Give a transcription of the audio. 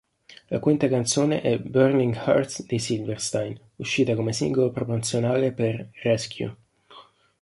La quinta canzone è "Burning Hearts" dei Silverstein, uscita come singolo promozionale per "Rescue".